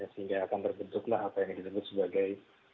sehingga akan terbentuklah apa yang disebut sebagai